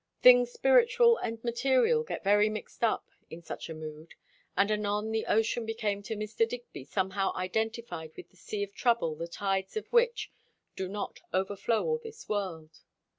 Things spiritual and material get very mixed up in such a mood; and anon the ocean became to Mr. Digby somehow identified with the sea of trouble the tides of which do overflow all this world.